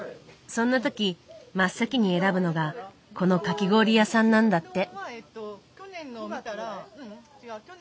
そんなとき真っ先に選ぶのがこのかき氷屋さんなんだって。